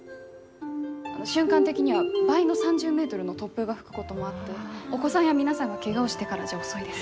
瞬間的には倍の３０メートルの突風が吹くこともあってお子さんや皆さんがけがをしてからじゃ遅いです。